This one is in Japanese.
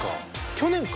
去年か。